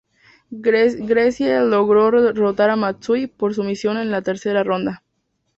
Gracie logró derrotar a Matsui por sumisión en la tercer ronda.